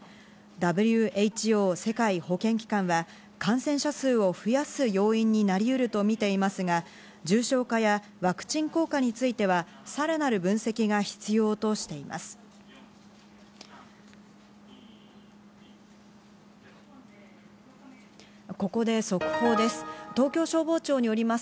ＷＨＯ＝世界保健機関は感染者数を増やす要因になりうると見ていますが、重症化やワクチン効果については、さらなる分析が必要としています。